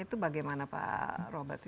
itu bagaimana pak robert